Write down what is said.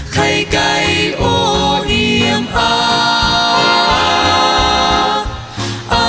ไข่ไก่โอ้เยี่ยมอ้า